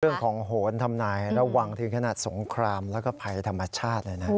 เรื่องของโหนทำนายระวังทีขนาดสงครามและภัยธรรมชาติเลยนะ